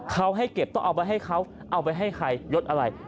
เขาให้เก็บต้องเอาไปให้เขาเอาไปให้ใครยดอะไร